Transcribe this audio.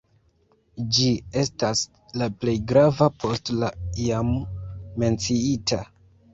Ĝi estas la plej grava post la jam menciita.